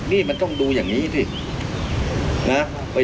นี่มันต้องดูอย่างนี้สินะ